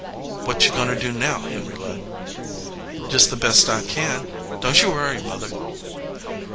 "What you goin to do now, Henry Ludd ?" "Just the best I can. Don t you worry, Mother."